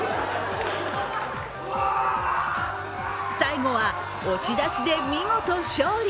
最後は押し出しで見事勝利。